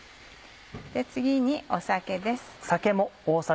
次に酒です。